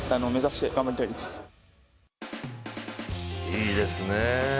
いいですね。